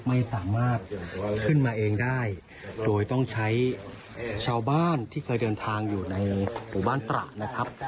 ไม่สามารถขึ้นมาเองได้โดยต้องใช้ชาวบ้านที่เคยเดินทางอยู่ในหมู่บ้านตระนะครับ